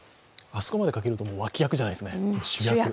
あそこまでかけると、もう脇役じゃないですね、主役。